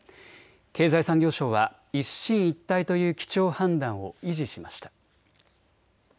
経済産業省は一進一退という基調判断を維持しました。